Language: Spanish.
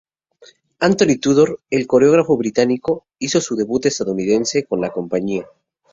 Antony Tudor, el coreógrafo británico, hizo su debut estadounidense con la compañía.